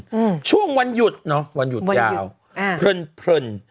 อืมช่วงวันหยุดเนอะวันหยุดยาวอ่าเพลินเพลิน